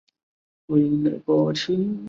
北周改名石城郡。